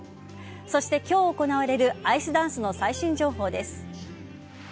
そして今日行われるアイスダンスの最新情報です。